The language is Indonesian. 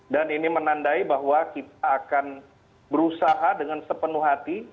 dan ini menandai bahwa kita akan berusaha dengan sepenuh hati